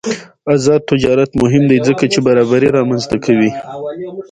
آزاد تجارت مهم دی ځکه چې برابري رامنځته کوي.